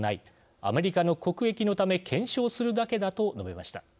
アメリカの国益のため検証するだけだ」と述べました。